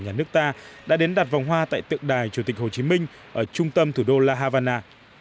nhà nước ta đã đến đặt vòng hoa tại tượng đài chủ tịch hồ chí minh ở trung tâm thủ đô la havana